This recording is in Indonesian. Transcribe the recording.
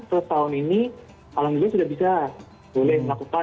terus tahun ini alhamdulillah sudah bisa boleh melakukan